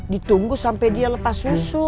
ditunggu sampai dia lepas susu